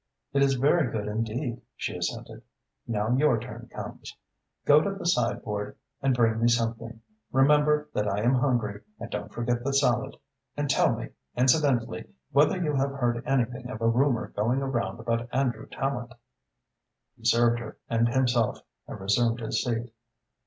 "It is very good indeed," she assented. "Now your turn comes. Go to the sideboard and bring me something. Remember that I am hungry and don't forget the salad. And tell me, incidentally, whether you have heard anything of a rumour going around about Andrew Tallente?" He served her and himself and resumed his seat.